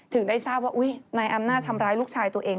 ถึงได้ทราบว่านายอำนาจทำร้ายลูกชายตัวเอง